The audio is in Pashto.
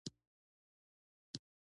او د دوی راتلونکی دی.